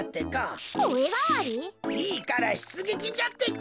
いいからしゅつげきじゃってか！